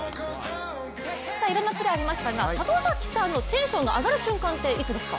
いろんなプレーありましたが里崎さんのテンション上がる瞬間っていつですか。